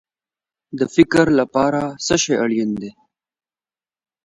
د فکر لپاره څه شی اړین دی؟